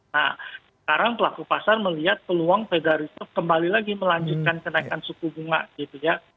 nah sekarang pelaku pasar melihat peluang federa resource kembali lagi melanjutkan kenaikan suku bunga gitu ya